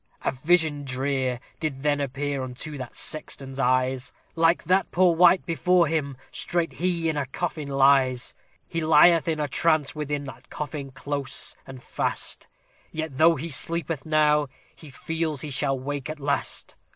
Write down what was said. A vision drear did then appear unto that sexton's eyes; Like that poor wight before him straight he in a coffin lies. He lieth in a trance within that coffin close and fast; Yet though he sleepeth now, he feels he shall awake at last.